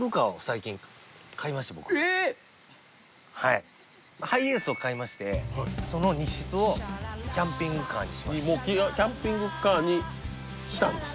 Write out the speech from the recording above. はいハイエースを買いましてその荷室をキャンピングカーにしましてもうキャンピングカーにしたんですか？